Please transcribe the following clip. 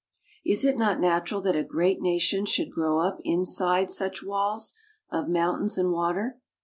Is it not natural that a great nation should grow up inside such walls of mountains and water?